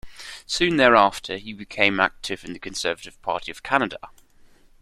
Soon thereafter he became active in the Conservative Party of Canada.